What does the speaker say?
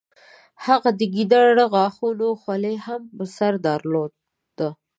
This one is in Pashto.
هغه د ګیدړې غاښونو خولۍ هم په سر درلوده.